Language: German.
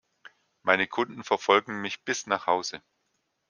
Meine Kunden verfolgen mich bis nach Hause!